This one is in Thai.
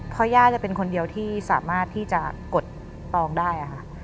เพราะย่าจะเป็นคนเดียวที่สามารถที่จะกดตองได้ค่ะ